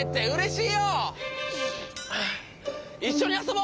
いっしょにあそぼう！